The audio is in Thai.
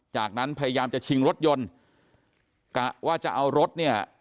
จากนั้นพยายามจะชิงรถยนต์กะว่าจะเอารถเนี่ย